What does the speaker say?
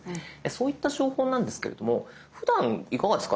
そういった情報なんですけれどもふだんいかがですか？